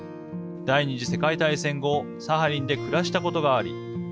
第２次世界大戦後サハリンで暮らしたことがあり